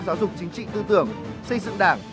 giáo dục chính trị tư tưởng xây dựng đảng